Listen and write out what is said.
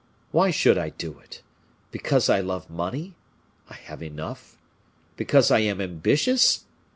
Why should I do it? Because I love money? I have enough. Because I am ambitious?